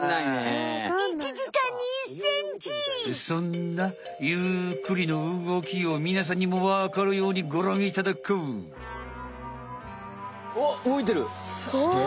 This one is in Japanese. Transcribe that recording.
そんなゆっくりの動きをみなさんにもわかるようにごらんいただこう！